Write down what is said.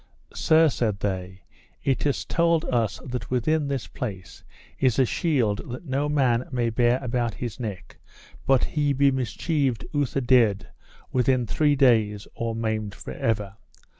Sir, said they, it is told us that within this place is a shield that no man may bear about his neck but he be mischieved outher dead within three days, or maimed for ever.